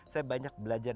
saya banyak belajar